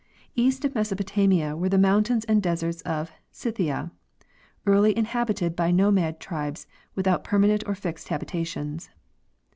East of Mesopotamia were the mountains and deserts of Scythia, early inhabited by nomad tribes without permanent or fixed habitations.